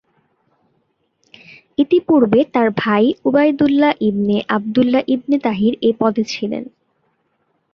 ইতিপূর্বে তার ভাই Ubaidullah ibn Abdullah ibn Tahir এই পদে ছিলেন।